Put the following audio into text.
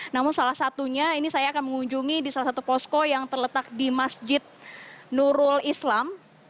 namun salah satunya ini saya akan mengunjungi di salah satu posko yang terletak di masjid nurul islam